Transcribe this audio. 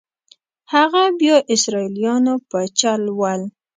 هغه بیا اسرائیلیانو په چل ول.